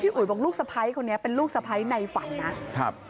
พี่อุ๋ยบอกลูกสะพัยคนนี้เป็นลูกสะพัยในฝันนะคะ